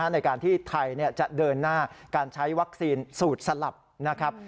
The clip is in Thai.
ในการที่ไทยจะเดินหน้าการใช้วัคซีนสูตรสลับนะครับ